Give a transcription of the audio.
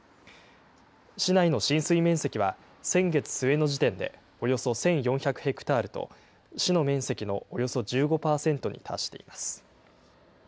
市内の浸水面積は先月末の時点でおよそ１４００ヘクタールと、市の面積のおよそ１５％に達しています。